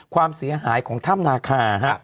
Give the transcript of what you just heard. ความเสียหายของถ้ำนาคา